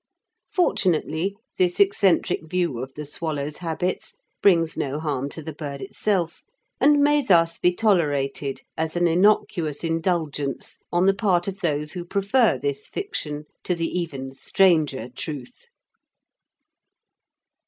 Fortunately this eccentric view of the swallow's habits brings no harm to the bird itself, and may thus be tolerated as an innocuous indulgence on the part of those who prefer this fiction to the even stranger truth.